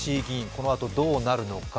このあとどうなるのか。